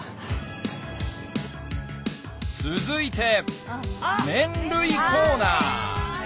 続いて麺類コーナー。